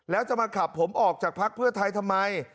แล้วจะมาขับผมออกจากพักเพื่อไทยทำไม